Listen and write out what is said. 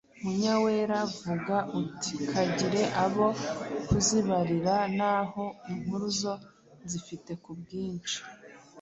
Munyawera:Vuga uti: “Kagire abo kuzibarira na ho inkuru zo nzifite ku bwinshi.”